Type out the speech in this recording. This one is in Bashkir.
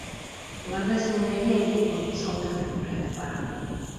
Уларҙы эсенән әрләй-әрләй балыҡсы алдан юл күрһәтеп бара.